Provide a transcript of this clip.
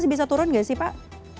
bisa turun nggak sih pak